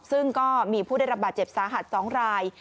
ซึ่งก็มีผู้ได้รับบาดเจ็บสาหัส๒ราย